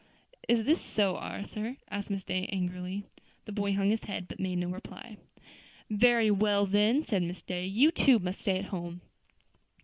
"Is this so, Arthur?" asked Miss Day, angrily. The boy hung his head, but made no reply. "Very well, then," said Miss Day, "you too must stay at home."